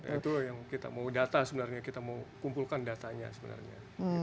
itu yang kita mau data sebenarnya kita mau kumpulkan datanya sebenarnya